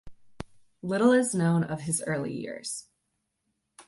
Little is known of his early years.